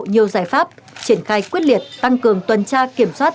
nhiều giải pháp triển khai quyết liệt tăng cường tuần tra kiểm soát